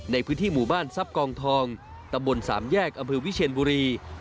ในพื้นที่หมู่บ้านซับกองทองตำบลสามแยกอำพืวยวิเชนบุรี